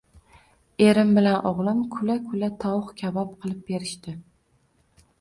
Erim bilan o`g`lim kula-kula tovuq-kabob qilib berishdi